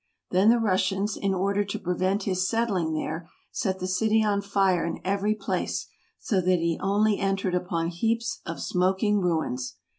Then the Russians, in order to prevent his settling there, set the city on fire in every place; so that he only entered upon heaps of smoking ruins.